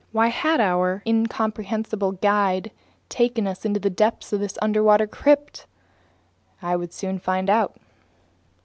Why had our incomprehensible guide taken us into the depths of this underwater crypt? I would soon find out.